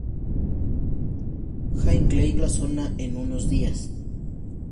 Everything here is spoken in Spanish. Hinckley abandonó la zona en unos días.